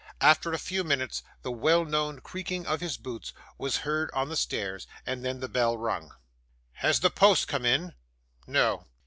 After a few minutes, the well known creaking of his boots was heard on the stairs, and then the bell rung. 'Has the post come in?' 'No.